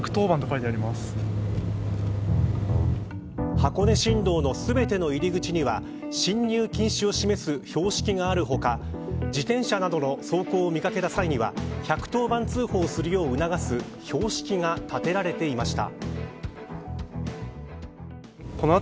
箱根新道の全ての入り口には進入禁止を示す標識がある他自転車などの走行を見かけた際には１１０番通報するよう促す標識が立てられていました。